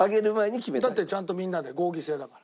だってちゃんとみんなで合議制だから。